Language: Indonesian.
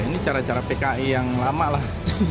ini cara cara pki yang lama lah